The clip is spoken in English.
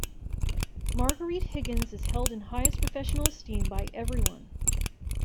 Marguerite Higgins is held in highest professional esteem by everyone.